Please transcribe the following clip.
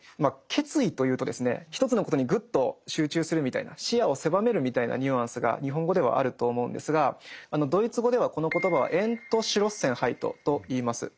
決意というとですね一つのことにグッと集中するみたいな視野を狭めるみたいなニュアンスが日本語ではあると思うんですがドイツ語ではこの言葉は「Ｅｎｔｓｃｈｌｏｓｓｅｎｈｅｉｔ」といいます。